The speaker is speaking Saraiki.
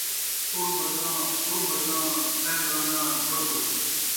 ٹر مرداں، پُر مرداں، ٻہہ رہنداں جھُر مرداں